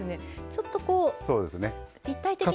ちょっとこう立体的に。